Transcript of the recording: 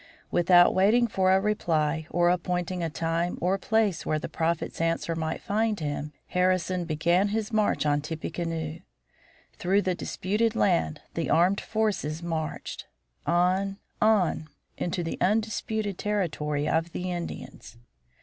Without waiting for a reply or appointing a time or place where the Prophet's answer might find him, Harrison began his march on Tippecanoe. Through the disputed land the armed forces marched; on, on, into the undisputed territory of the Indians.